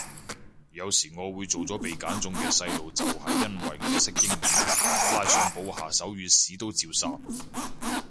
有時我會做咗被揀中嘅細路就係因為我識英文，拉上補下手語屎都照殺